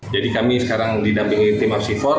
jadi kami sekarang didampingi tim apsifor